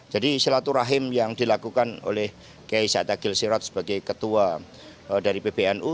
jadi silaturahim yang dilakukan oleh kiai saek akil sirat sebagai ketua dari pbnu